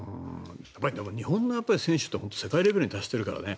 やっぱり日本の選手って本当に世界レベルに達してるからね。